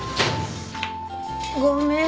ごめん。